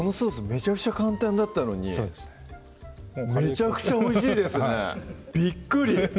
めちゃくちゃ簡単だったのにめちゃくちゃおいしいですねびっくり！